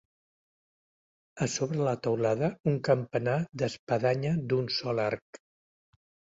A sobre la teulada, un campanar d'espadanya d'un sol arc.